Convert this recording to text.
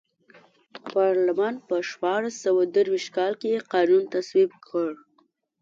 پارلمان په شپاړس سوه درویشت کال کې قانون تصویب کړ.